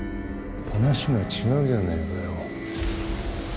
話が違うじゃねえかよ。